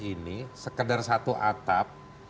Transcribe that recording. ini sekedar satu atap